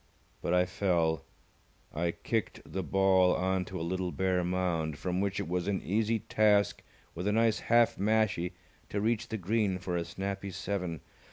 But I fell. I kicked the ball on to a little bare mound, from which it was an easy task with a nice half mashie to reach the green for a snappy seven.